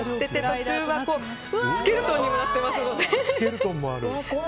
途中はスケルトンにもなってますので。